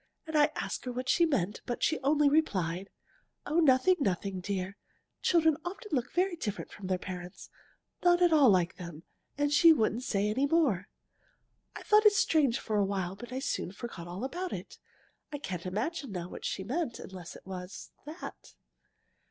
And I asked her what she meant, but she only replied: 'Oh, nothing, nothing, dear! Children often look very different from their parents, not at all like them.' And she wouldn't say any more. I thought it strange for a while, but soon forgot all about it. I can't imagine now what she meant, unless it was that.